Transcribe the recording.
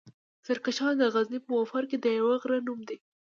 زرکشان دغزني پهمفر کې د يوۀ غرۀ نوم دی.